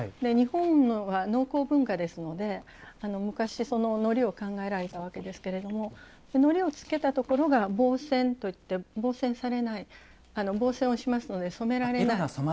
日本は農耕文化ですので昔のりを考えられたわけですけれどものりをつけたところが防染といって防染されない防染をしますので染められない。